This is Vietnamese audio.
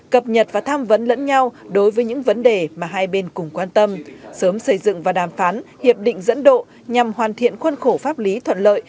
cập nhật và tham vấn lẫn nhau đối với những vấn đề mà hai bên cùng quan tâm sớm xây dựng và đàm phán hiệp định dẫn độ nhằm hoàn thiện khuân khổ pháp lý thuận lợi